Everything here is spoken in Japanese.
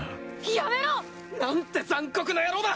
やめろ！なんて残酷な野郎だ。